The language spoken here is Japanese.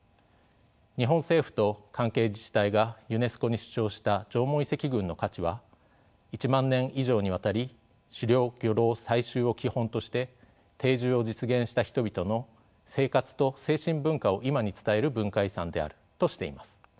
日本政府と関係自治体がユネスコに主張した縄文遺跡群の価値は「１万年以上にわたり狩猟漁労採集を基本として定住を実現した人々の生活と精神文化を今に伝える文化遺産である」としています。